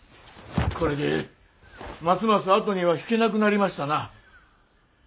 これでますます後には引けなくなりましたな。